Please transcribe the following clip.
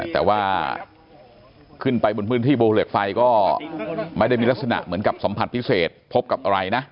แต่ว่าขึ้นไปบนพื้นที่ภูเหล็กไฟก็ไม่ได้มีลักษณะเหมือนกับสัมผัสพิเศษพบกับอะไรนะ